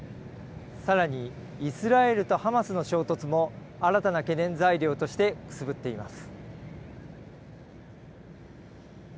さらに、イスラエルとハマスの衝突も新たな懸念材料としてくすぶっています。